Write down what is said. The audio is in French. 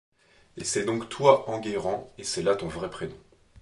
Et c'est donc toi Enguerrand et là c'est ton vrai prénom.